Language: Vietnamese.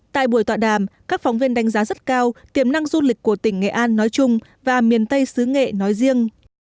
tại buổi tọa đàm các phóng viên đánh giá rất cao tiềm năng du lịch của tỉnh nghệ an nói chung và miền tây xứ nghệ nói riêng